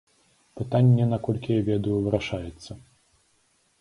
Пытанне, наколькі я ведаю, вырашаецца.